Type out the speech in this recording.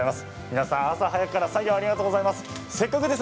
皆さん、朝早くから作業ありがとうございます。